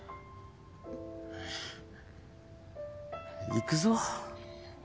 行くぞ。